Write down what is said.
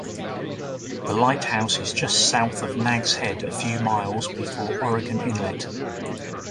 The lighthouse is just south of Nags Head, a few miles before Oregon Inlet.